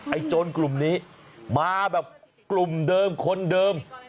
โจรกลุ่มนี้มาแบบกลุ่มเดิมคนเดิม